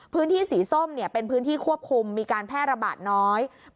พื้นที่สีส้มเป็นพื้นที่ควบคุมมีการแพร่ระบาดน้อย